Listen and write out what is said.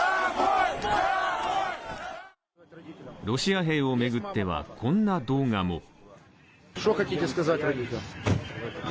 ロシア兵を巡ってはこんな動画も。